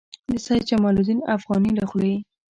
د سید جمال الدین افغاني له خولې.